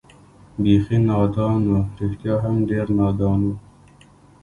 بېخي نادان و، رښتیا هم ډېر نادان و.